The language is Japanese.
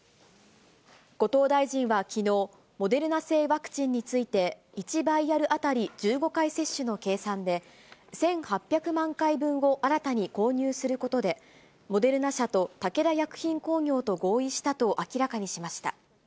後藤大臣はきのう、モデルナ製ワクチンについて、１バイアル当たり１５回接種の計算で、１８００万回分を新たに購入することで、モデルナ社と武田薬品工業と合意したと明らかにしました。